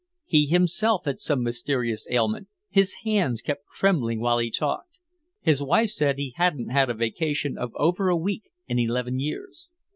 He himself had some mysterious ailment, his hands kept trembling while he talked. His wife said he hadn't had a vacation of over a week in eleven years.